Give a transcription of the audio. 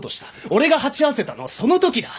俺が鉢合わせたのはその時だ。